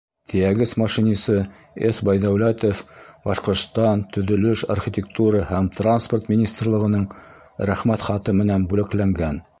Тейәгес машинисы С. Байдәүләтов Башҡортостан Төҙөлөш, архитектура һәм транспорт министрлығының Рәхмәт хаты менән бүләкләнгән.